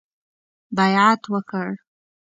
بیعت وکړ.